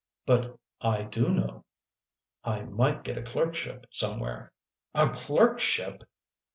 " But I do know." " I might get a clerkship somewhere." "A clerkship!"